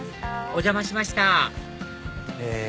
お邪魔しましたへぇ！